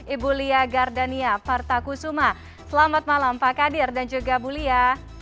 ibu lia gardania farta kusuma selamat malam pak qadir dan juga ibu lia